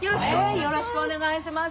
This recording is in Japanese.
よろしくお願いします。